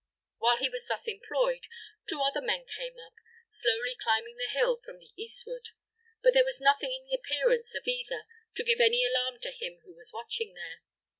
While he was thus employed, two other men came up, slowly climbing the hill from the eastward; but there was nothing in the appearance of either to give any alarm to him who was watching there.